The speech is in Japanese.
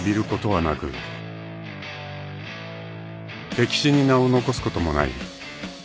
［歴史に名を残すこともない］